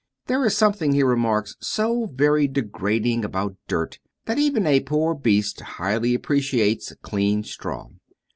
"There is something," he remarks, "so very degrading about dirt, that even a poor beast highly appreciates clean straw.